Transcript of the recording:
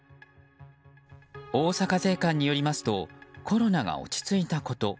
大阪税関によりますとコロナが落ち着いたこと。